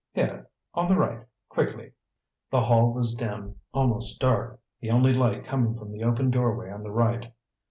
Here on the right quickly!" The hall was dim, almost dark, the only light coming from the open doorway on the right.